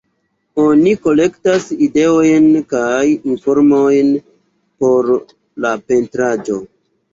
Oni kolektas ideojn kaj informojn por la pentraĵo.